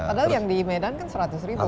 padahal yang di medan kan rp seratus